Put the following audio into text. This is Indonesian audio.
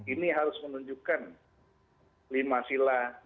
ini harus menunjukkan lima sila